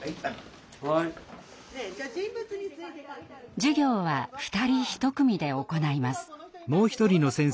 授業は二人一組で行います。